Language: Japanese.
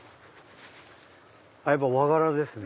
やっぱ和柄ですね。